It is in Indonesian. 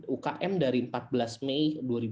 ukm dari empat belas mei dua ribu dua puluh